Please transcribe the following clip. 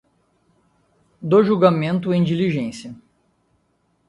do julgamento em diligência